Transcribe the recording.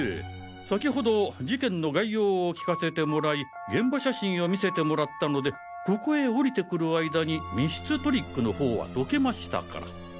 先程事件の概要を聞かせてもらい現場写真を見せてもらったのでここへ降りてくる間に密室トリックの方は解けましたから。